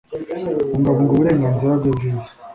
bungabunga uburenganzira bwe bwiza